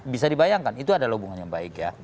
bisa dibayangkan itu adalah hubungan yang baik ya